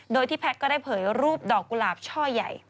โดยที่แพทย์ก็ได้เผยรูปดอกกุหลาบช่อใหญ่